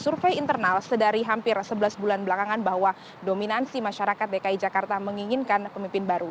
survei internal sedari hampir sebelas bulan belakangan bahwa dominansi masyarakat dki jakarta menginginkan pemimpin baru